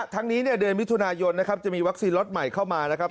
ทั้งนี้เนี่ยเดือนมิถุนายนนะครับจะมีวัคซีนล็อตใหม่เข้ามานะครับ